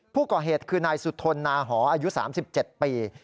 ผู้ก่อเหตุคือนายสุธนนาหออายุ๓๗ปี